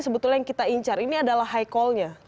sebetulnya yang kita incar ini adalah high call nya